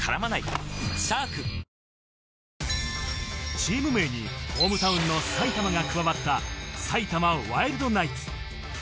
チーム名にホームタウンの埼玉が加わった埼玉ワイルドナイツ。